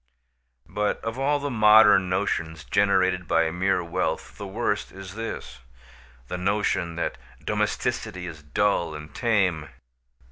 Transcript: But of all the modern notions generated by mere wealth the worst is this: the notion that domesticity is dull and tame.